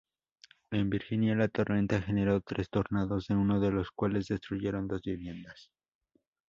En Virginia, la tormenta generó tres tornados, uno de los cuales destruyeron dos viviendas.